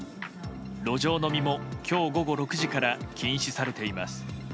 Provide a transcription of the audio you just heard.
路上飲みも今日午後６時から禁止されています。